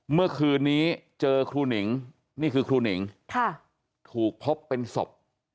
เมื่อคืนนี้เจอครูหนิงนี่คือครูหนิงถูกพบเป็นศพ